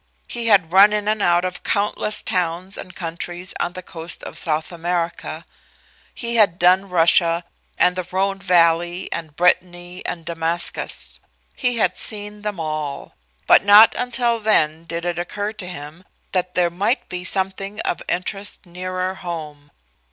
He had run in and out of countless towns and countries on the coast of South America; he had done Russia and the Rhone valley and Brittany and Damascus; he had seen them all but not until then did it occur to him that there might be something of interest nearer home.